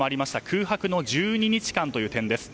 空白の１２日間という点です。